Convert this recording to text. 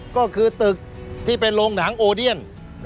ก็คือตึกที่เป็นโรงหนังโอเดียน